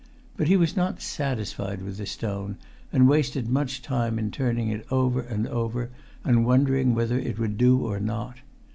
But he was not satisfied with the stone, and wasted much time in turning it over and over and wondering whether it would do or not.